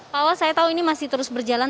pak was saya tahu ini masih terus berjalan